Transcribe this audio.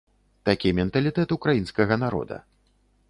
Такі менталітэт ўкраінскага народа.